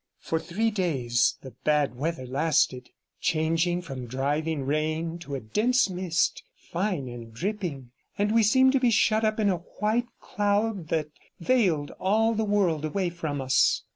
For three days the bad weather lasted, changing from driving rain to a dense mist, fine and dripping, and we seemed to be shut up in a white cloud that veiled all the world away from us.